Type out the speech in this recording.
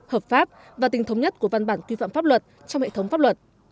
hợp pháp và tình thống nhất của văn bản quy phạm pháp luật trong hệ thống pháp luật